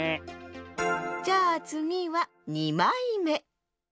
じゃあつぎは２まいめ。